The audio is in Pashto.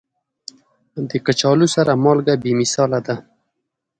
د کچالو سره مالګه بې مثاله ده.